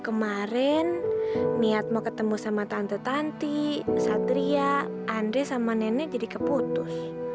kemarin niat mau ketemu sama tante tante satria andre sama nenek jadi keputus